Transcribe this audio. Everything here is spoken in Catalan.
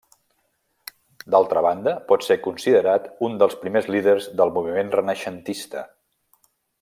D'altra banda, pot ser considerat un dels primers líders del moviment renaixentista.